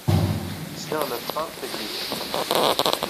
Sliɣ la teqqareḍ tanglizit.